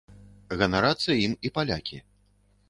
Ганарацца ім і палякі.